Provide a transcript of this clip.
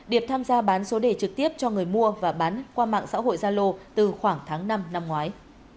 điệp tham gia bán số đề trực tiếp cho người mua và bán qua mạng xã hội gia lô từ khoảng tháng năm năm ngoái